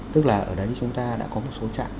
tức là ở đấy chúng ta đã có một số trạm